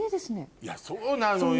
いやそうなのよ。